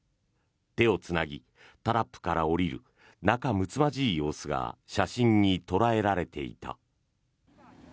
手をつなぎタラップから下りる仲むつまじい様子が写真に捉えられていた。